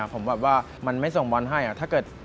ผมแบบว่ามันไม่ส่งบอลให้ถ้าเกิด